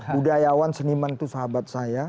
budayawan seniman itu sahabat saya